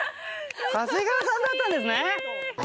長谷川さんだったんですね。